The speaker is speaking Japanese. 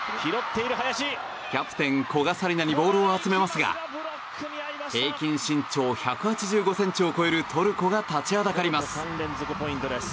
キャプテン古賀紗理那にボールを集めますが平均身長１８５ｃｍを超えるトルコが立ちはだかります。